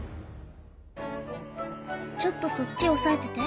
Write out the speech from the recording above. ちょっとそっち押さえてて。